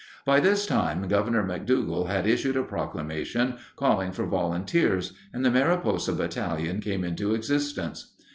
By this time Governor McDougal had issued a proclamation calling for volunteers, and the Mariposa Battalion came into existence.